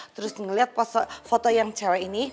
terus ngelihat foto yang cewek ini